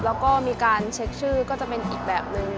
แล้วก็มีการเช็คชื่อก็จะเป็นอีกแบบนึง